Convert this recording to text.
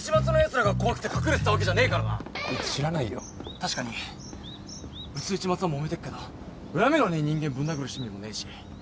確かにうちと市松はもめてっけど恨みのねえ人間ぶん殴る趣味もねえし。